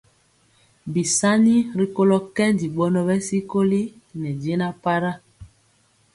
Bisani rikolo kɛndi bɔnɔ bɛ sikoli ne jɛna para.